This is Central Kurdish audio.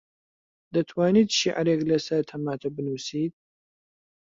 دەتوانیت شیعرێک لەسەر تەماتە بنووسیت؟